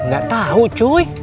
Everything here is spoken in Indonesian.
gak tau cuy